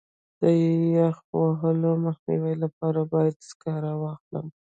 د یخ وهلو مخنیوي لپاره باید سکاره واخلم.